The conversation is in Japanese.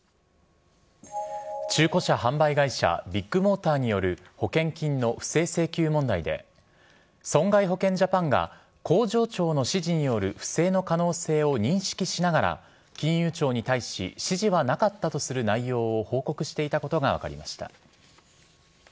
中古車販売会社ビッグモーターによる保険金の不正請求問題で損害保険ジャパンが工場長の指示による不正の可能性を認識しながら金融庁に対し指示はなかったとする内容を報告していたことが分かりました。